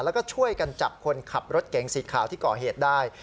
แล้วก็ช่วยกันจับคนขับรถเก๋งสีขาวที่ก่อเหตุได้